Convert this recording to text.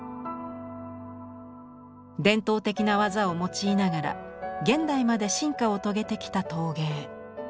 伝統的な技を用いながら現代まで進化を遂げてきた陶芸。